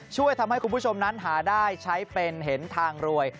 ช่วยทำให้คุณผู้ชมนั้นหาได้ใช้เป็นเห็นทางรวย